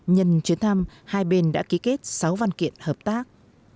nhân chuyến thăm hai bên đã ký kết sáu văn kiện hợp tác